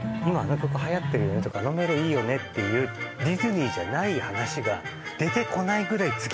今あの曲はやってるよねとかあのメロいいよねっていうディズニーじゃない話が出てこないぐらい